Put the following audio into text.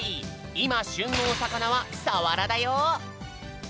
いましゅんのおさかなはさわらだよ！